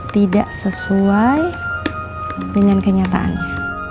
tidak sesuai dengan kenyataannya